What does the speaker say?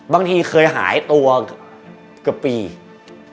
บางทีเคยหายตัวกับมึง